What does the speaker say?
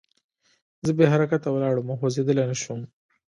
زه بې حرکته ولاړ وم او خوځېدلی نه شوم